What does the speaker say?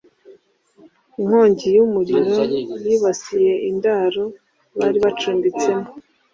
inkongi y'umuriro yibasiye indaro bari bacumbitsemo